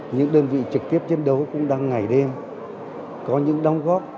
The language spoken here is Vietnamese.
những đơn vị trực tiếp chiến đấu cũng đang ngày đêm có những đóng góp